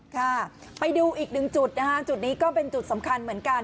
ค่ะไปดูอีกหนึ่งจุดนะฮะจุดนี้ก็เป็นจุดสำคัญเหมือนกัน